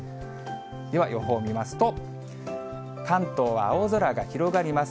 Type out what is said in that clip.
では、予報見ますと、関東は青空が広がります。